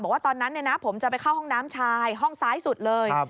บอกว่าตอนนั้นผมจะไปเข้าห้องน้ำชายห้องซ้ายสุดเลย